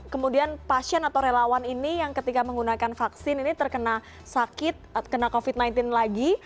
kemudian pasien atau relawan ini yang ketika menggunakan vaksin ini terkena sakit kena covid sembilan belas lagi